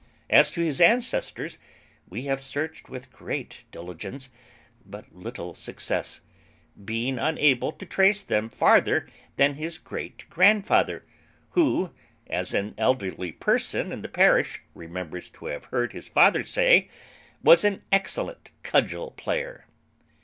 As to his ancestors, we have searched with great diligence, but little success; being unable to trace them farther than his great grandfather, who, as an elderly person in the parish remembers to have heard his father say, was an excellent cudgel player.